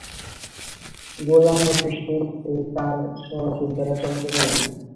গোলাম ইয়াকুব ও তার সহযোদ্ধারা চমকে গেলেন।